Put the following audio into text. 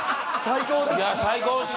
最高です！